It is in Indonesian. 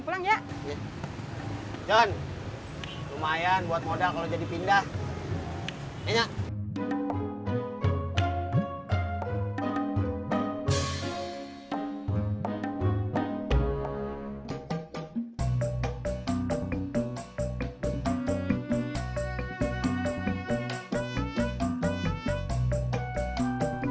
bagi posisi penipu